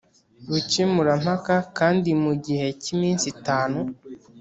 Bukemurampaka kandi mu gihe cy iminsi itanu